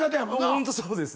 ホントそうですね。